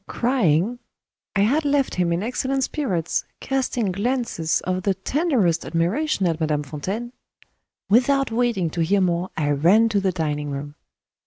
Crying? I had left him in excellent spirits, casting glances of the tenderest admiration at Madame Fontaine. Without waiting to hear more, I ran to the dining room.